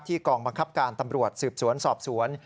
กองบังคับการตำรวจสืบสวนสอบสวน